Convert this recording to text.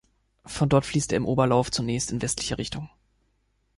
Von dort fließt er im Oberlauf zunächst in westlicher Richtung.